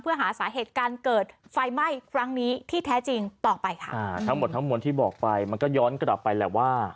เพื่อหาสาเหตุการเกิดไฟไหม้ครั้งนี้ที่แท้จริงต่อไปค่ะอ่าทั้งหมดทั้งมวลที่บอกไปมันก็ย้อนกลับไปแหละว่า